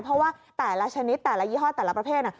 เพราะว่าแต่ละชนิดแต่ละยี่ห้อแต่ละประเภท